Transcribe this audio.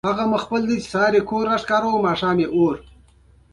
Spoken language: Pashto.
داسې ښکارېده چې هغه د خپلې مور په فکر کې و